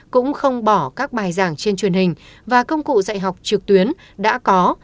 cũng không bỏ các bài giảng trên truyền hình và công cụ dạy học trực tuyến đã có